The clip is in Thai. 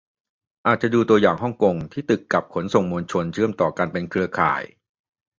อาจจะดูตัวอย่างฮ่องกง ที่ตึกกับขนส่งมวลชนเชื่อมกันเป็นเครือข่าย